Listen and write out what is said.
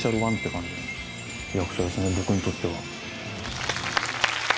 僕にとっては。